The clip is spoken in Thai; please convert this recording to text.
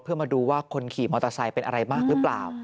เพื่อมาดูว่าคนขี่มอเตอร์ไซค์เป็นอะไรมากหรือเปล่า